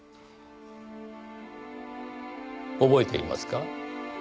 覚えていますか？